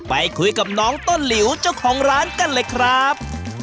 ไปคุยกับน้องต้นหลิวเจ้าของร้านกันเลยครับ